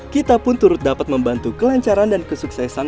kita pun turut dapat membantu kelancaran dan kesuksesan